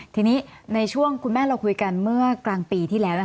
ทีนี้ในช่วงคุณแม่เราคุยกันเมื่อกลางปีที่แล้ว